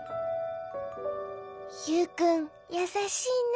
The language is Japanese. ユウくんやさしいね。